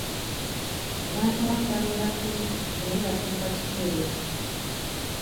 Abantu abamu babeera kumpi naye batuuka kikeerezi.